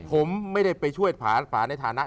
ผมไม่ได้ไปช่วยผาในฐานะ